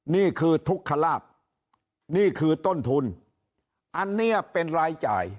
นี่คือทุกขลาบนี่คือต้นทุนอันนี้เป็นรายจ่าย